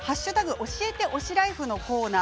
教えて推しライフ」のコーナー